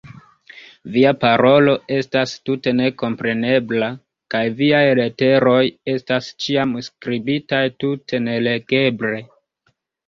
Via parolo estas tute nekomprenebla kaj viaj leteroj estas ĉiam skribitaj tute nelegeble.